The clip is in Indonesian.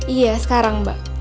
iya sekarang mbak